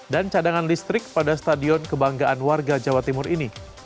cadangan listrik pada stadion kebanggaan warga jawa timur ini